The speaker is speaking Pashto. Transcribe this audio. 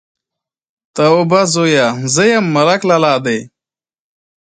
_توابه زويه! زه يم، ملک لالا دې.